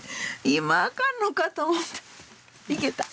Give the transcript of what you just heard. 今あかんのかと思った。